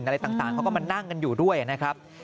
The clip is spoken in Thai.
อะไรต่างเขาก็มานั่งกันอยู่ด้วยนะครับ